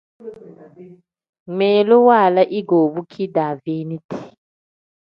Ngmiilu waala igoobu kidaaveeniti.